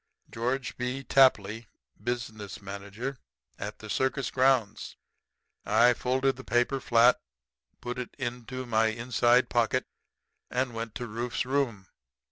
Geo. B. Tapley, Business Manager. At the circus grounds. "I folded up the paper flat, put it into my inside pocket, and went to Rufe's room.